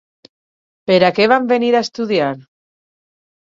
Per a què van venir a estudiar?